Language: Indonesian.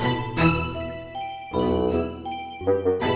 patar nasional ya